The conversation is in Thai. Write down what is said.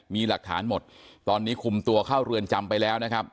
มีหลักฐานหมดตอนนี้คุมตัวเข้าเรือนจำไปแล้วนะครับ